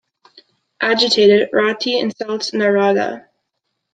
Agitated, Rati insults Narada.